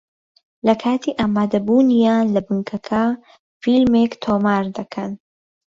لە کاتی ئامادەبوونیان لە بنکەکە فیلمێک تۆمار دەکەن